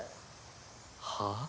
はあ？